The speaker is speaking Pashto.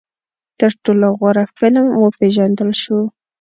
تر ټولو غوره فلم وپېژندل شو